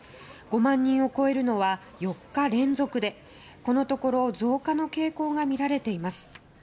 ５万人を超えるのは４日連続でこのところ増加の傾向がみられています。